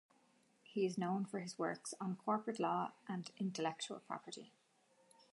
He is known for his works on corporate law and intellectual property.